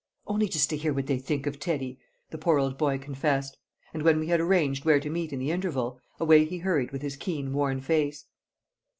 "Only just to hear what they think of Teddy," the poor old boy confessed; and when we had arranged where to meet in the interval, away he hurried with his keen, worn face.